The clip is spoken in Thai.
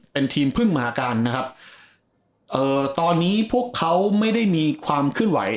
เป็นทีมพึ่งหมาการนะครับเอ่อตอนนี้พวกเขาไม่ได้มีความเคลื่อนไหว